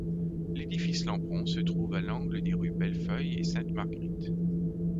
L'édifice Lampron se trouve à l'angle des rues Bellefeuille et Sainte-Marguerite.